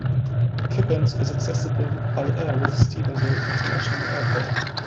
Kippens is accessible by air with Stephenville International Airport.